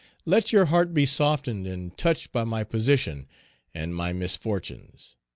Let your heart be softened and touched by my position and my misfortunes.